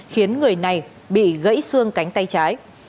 khiến người này bị gãy xương cánh tay trái